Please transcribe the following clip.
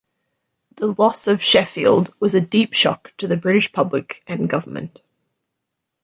The loss of "Sheffield" was a deep shock to the British public and government.